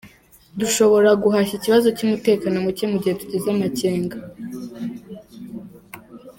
Dushobora guhashya ikibazo cy’umutekano muke mu gihe tugize amakenga.